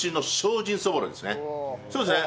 そうですね